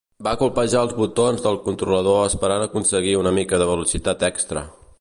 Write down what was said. Va colpejar els botons del controlador esperant aconseguir una mica de velocitat extra.